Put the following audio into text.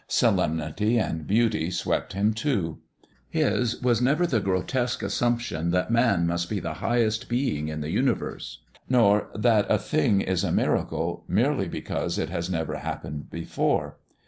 Solemnity and beauty swept him too. His was never the grotesque assumption that man must be the highest being in the universe, nor that a thing is a miracle merely because it has never happened before.